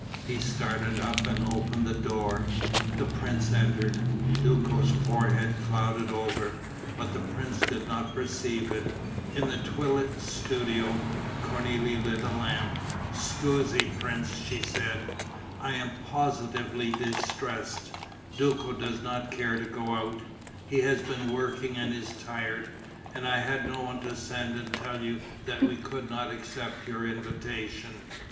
He started up and opened the door; the prince entered. Duco's forehead clouded over; but the prince did not perceive it, in the twilit studio. Cornélie lit a lamp: "Scusi, prince," she said. "I am positively distressed: Duco does not care to go out he has been working and is tired and I had no one to send and tell you that we could not accept your invitation."